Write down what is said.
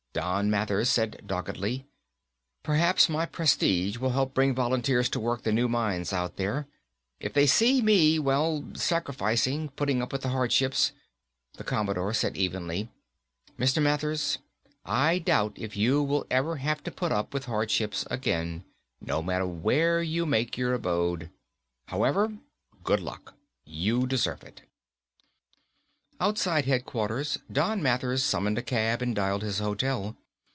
Don Mathers said doggedly, "Perhaps my prestige will help bring volunteers to work the new mines out there. If they see me, well, sacrificing, putting up with the hardships ..." The Commodore said evenly, "Mr. Mathers, I doubt if you will ever have to put up with hardships again, no matter where you make your abode. However, good luck. You deserve it." Outside headquarters, Don Mathers summoned a cab and dialed his hotel.